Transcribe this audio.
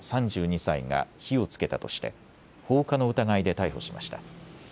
３２歳が火をつけたとして放火の疑いで逮捕しました。